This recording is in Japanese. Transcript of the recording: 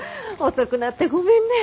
遅くなってごめんね。